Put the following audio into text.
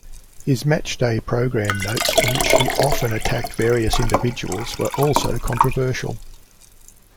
His match-day programme notes, in which he often attacked various individuals, were also controversial.